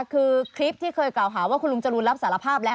คือคลิปที่เคยกล่าวหาว่าคุณลุงจรูนรับสารภาพแล้ว